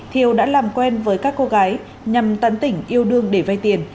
thiều đã làm quen với các cô gái nhằm tấn tỉnh yêu đương để vay tiền